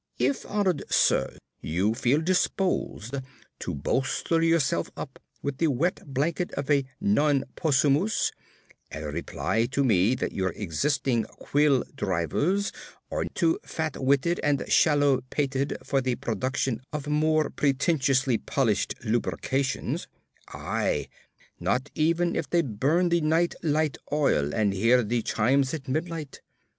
If, Honoured Sir, you feel disposed to bolster yourself up with the wet blanket of a non possumus, and reply to me that your existing quill drivers are too fat witted and shallow pated for the production of more pretentiously polished lucubrations aye, not even if they burn the night light oil and hear the chimes at midnight!